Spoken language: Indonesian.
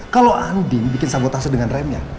kalau andin bikin sabotase dengan remnya